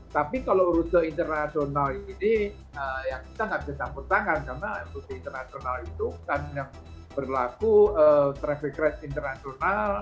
tapi kalau rute internasional ini ya kita nggak bisa campur tangan karena rute internasional itu kan yang berlaku traffic rate internasional